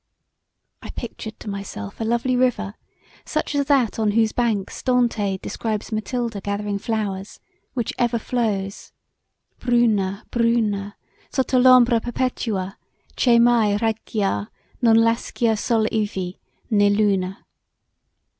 ] I pictured to myself a lovely river such as that on whose banks Dante describes Mathilda gathering flowers, which ever flows bruna, bruna, Sotto l'ombra perpetua, che mai Raggiar non lascia sole ivi, nè Luna.